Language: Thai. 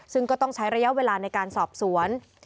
ซึ่งก็ต้องใช้ระยะเวลาในการสอบสวน